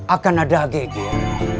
akan ada geger